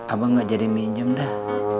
abang nggak jadi pinjam dah